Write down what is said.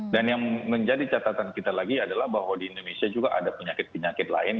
dan yang menjadi catatan kita lagi adalah bahwa di indonesia juga ada penyakit penyakit lain